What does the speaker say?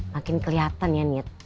makin kelihatan ya niat